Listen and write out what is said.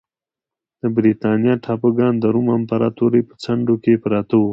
د برېټانیا ټاپوګان د روم امپراتورۍ په څنډو کې پراته وو